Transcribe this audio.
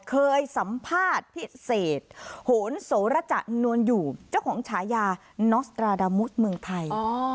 เคยสัมภาษณ์พิเศษโหนโสระจะนวลอยู่เจ้าของฉายานอสตราดามุสเมืองไทย